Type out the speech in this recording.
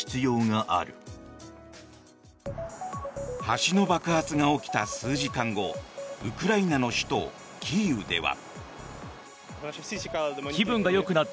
橋の爆発が起きた数時間後ウクライナの首都キーウでは。